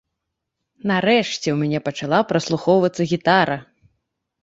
Нарэшце, у мяне пачала праслухоўвацца гітара!